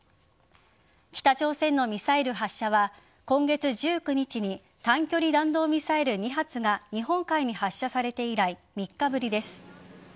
北朝鮮のミサイル発射は今月１９日に短距離弾道ミサイル２発が日本海に発射されて以来３日ぶりです。